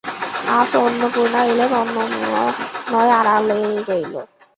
আজ অন্নপূর্ণা এলেন, অন্ন না হয় আড়ালেই রইল।